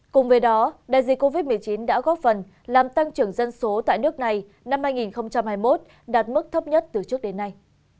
cùng với đó đại dịch covid một mươi chín đã góp phần làm tăng trưởng dân số tại nước này năm hai nghìn hai mươi một đạt mức thấp nhất từ trước đến nay